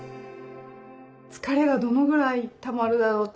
疲れがどのぐらいたまるだろう？